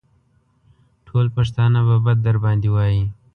ټول پښتانه به بد در باندې وايي.